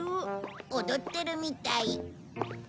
踊ってるみたい。